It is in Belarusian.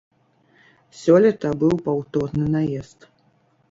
Сёлета быў паўторны наезд.